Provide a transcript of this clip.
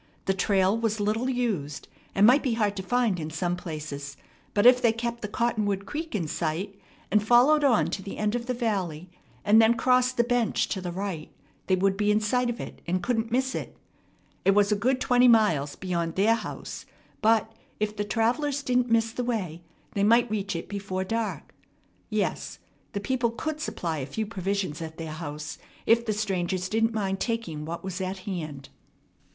The trail was little used, and might be hard to find in some places; but, if they kept the Cottonwood Creek in sight, and followed on to the end of the valley, and then crossed the bench to the right, they would be in sight of it, and couldn't miss it. It was a good twenty miles beyond their house; but, if the travellers didn't miss the way, they might reach it before dark. Yes, the people could supply a few provisions at their house if the strangers didn't mind taking what was at hand.